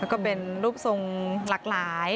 ก็เป็นรูปทรงหลากหลาย